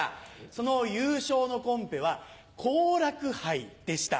その優勝のコンペは好楽杯でした。